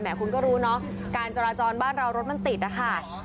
คุณก็รู้เนอะการจราจรบ้านเรารถมันติดนะคะ